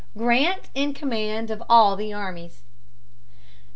Grant in Command of all the Armies.